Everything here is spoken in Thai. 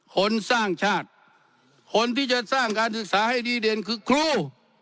คนสร้างชาติคนที่จะสร้างการศึกษาให้ดีเด่นคือครู